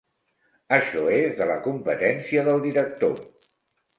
Això és de la competència del director.